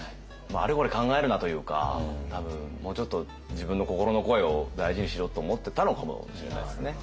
あれこれ考えるなというか多分もうちょっと自分の心の声を大事にしろと思ってたのかもしれないですね。